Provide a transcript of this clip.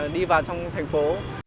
đi vào trong thành phố